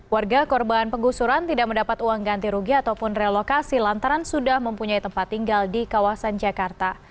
warga korban penggusuran tidak mendapat uang ganti rugi ataupun relokasi lantaran sudah mempunyai tempat tinggal di kawasan jakarta